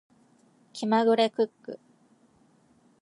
気まぐれクック